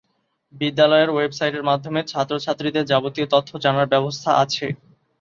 বিদ্যালয়ের ওয়েব সাইটের মাধ্যমে ছাত্র-ছাত্রীদের যাবতীয় তথ্য জানার ব্যবস্থা আছে।